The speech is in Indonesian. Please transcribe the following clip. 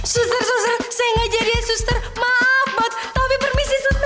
suster suster saya nggak jadi suster maaf banget tapi permisi suster